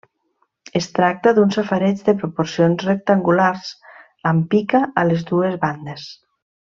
Es tracta d'un safareig de proporcions rectangulars, amb pica a les dues bandes.